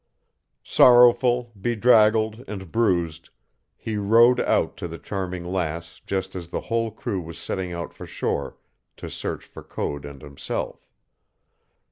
Sorrowful, bedraggled, and bruised, he rowed out to the Charming Lass just as the whole crew was setting out for shore to search for Code and himself.